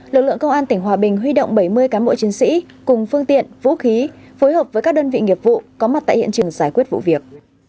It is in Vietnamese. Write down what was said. lực lượng công an tỉnh hòa bình huy động bảy mươi cán bộ chiến sĩ cùng phương tiện vũ khí phối hợp với các đơn vị nghiệp vụ có mặt tại hiện trường giải quyết vụ việc